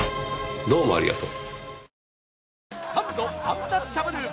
どうもありがとう。